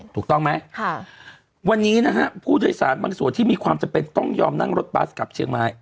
ถูกต้องไหมวันนี้นะฮะผู้โดยสารบางส่วนที่มีความจำเป็นต้องยอมนั่งรถบัสกลับเชียงใหม่